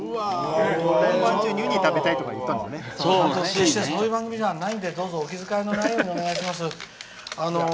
決してそういう番組ではないんでどうぞお気遣いのないようにお願いします。